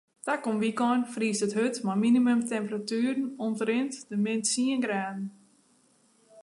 Takom wykein friest it hurd mei minimumtemperatueren omtrint de min tsien graden.